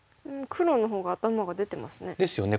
黒のほうが頭が出てますね。ですよね。